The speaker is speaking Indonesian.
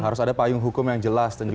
harus ada payung hukum yang jelas